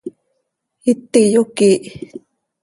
Iti yoquiih.